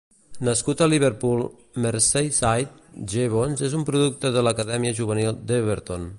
Nascut a Liverpool, Merseyside, Jevons és un producte de l'acadèmia juvenil d'Everton.